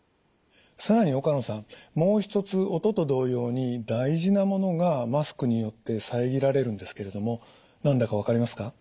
更に岡野さんもう一つ音と同様に大事なものがマスクによって遮られるんですけれども何だか分かりますか？